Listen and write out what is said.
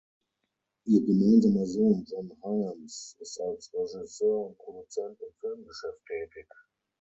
Ihr gemeinsamer Sohn John Hyams ist als Regisseur und Produzent im Filmgeschäft tätig.